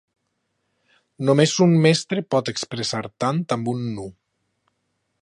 Només un mestre pot expressar tant amb un nu.